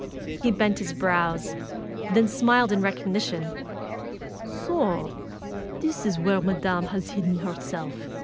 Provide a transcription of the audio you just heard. He bent his brows and then smiled in recognition. ^^So this is where Madam has hidden herself